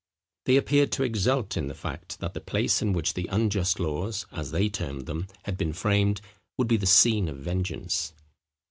They appeared to exult in the fact, that the place in which the unjust laws, as they termed them, had been framed, would be the scene of vengeance.